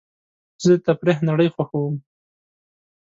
زه د تفریح نړۍ خوښوم.